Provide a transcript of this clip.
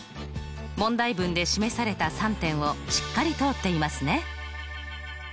問題文で示された３点をしっかり通っていますね。